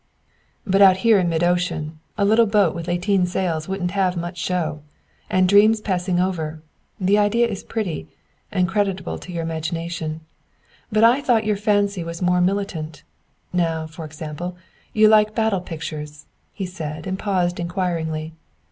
'" "But out here in mid ocean a little boat with lateen sails wouldn't have much show. And dreams passing over the idea is pretty, and is creditable to your imagination. But I thought your fancy was more militant. Now, for example, you like battle pictures " he said, and paused inquiringly.